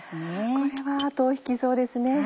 これは後を引きそうですね。